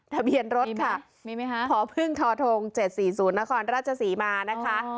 ทะเบียนรถค่ะมีไหมมีไหมคะพอเพิ่งทอโทงเจ็ดสี่ศูนย์นครราชสีมานะคะ